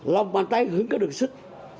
lọc bàn tay hướng cơ đường sức